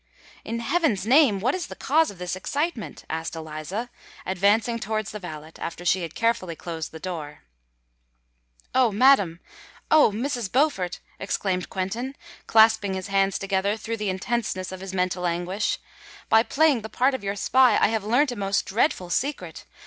"In heaven's name, what is the cause of this excitement?" asked Eliza, advancing towards the valet, after she had carefully closed the door. "Oh! madam—oh! Mrs. Beaufort," exclaimed Quentin, clasping his hands together through the intenseness of his mental anguish; "by playing the part of your spy I have learnt a most dreadful secret!